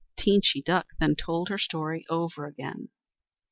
Teenchy Duck then told her story over again.